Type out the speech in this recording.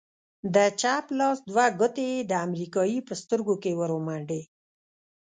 د چپ لاس دوې گوتې يې د امريکايي په سترگو کښې ورومنډې.